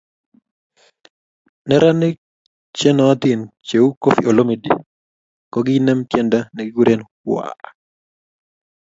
Neranik che nootin cheu Koffi Olomide kokiinem tiendo nekikuren waah